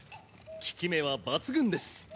効き目は抜群です。